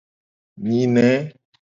Nyine.